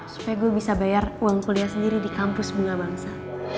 supaya gue bisa bayar uang kuliah sendiri di kampus bunga bangsa